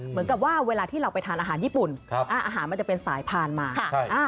เหมือนกับว่าเวลาที่เราไปทานอาหารญี่ปุ่นอาหารมันจะเป็นสายพานมา